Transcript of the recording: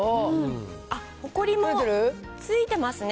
あっ、ほこりもついてますね。